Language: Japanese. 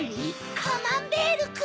カマンベールくん！